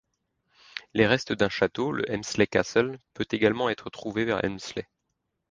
Les restes d'un château, le Helmsley Castle, peut également être trouvé vers Helmsley.